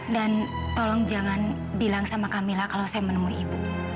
dan tolong jangan bilang sama kamila kalau saya menemui ibu